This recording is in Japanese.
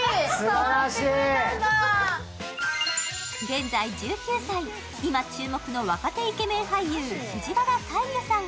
現在１９歳、今注目の若手イケメン俳優・藤原大祐さん。